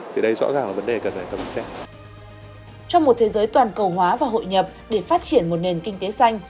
trong một thế giới toàn cầu hóa và hội nhập để phát triển một nền kinh tế xanh